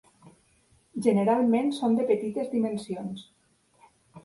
Generalment són de petites dimensions.